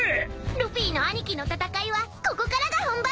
ルフィの兄貴の戦いはここからが本番！